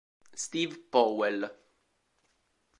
Steve Powell